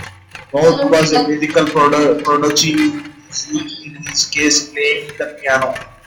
Vaught was a musical prodigy in his youth, in his case playing the piano.